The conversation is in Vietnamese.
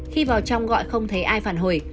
khi vào trong gọi không thấy ai phản hồi